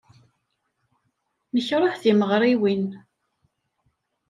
Nekṛeh timeɣriwin.